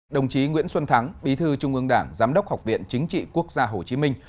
đồng chí nguyễn xuân thắng bí thư trung ương đảng giám đốc học viện chính trị quốc gia hồ chí minh